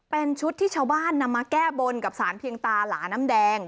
เป็นชุดที่ชาวบ้านนำมาแก้บนกับสารเพียงตาหลาน้ำแดง